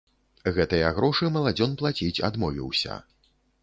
Гэтыя грошы маладзён плаціць адмовіўся.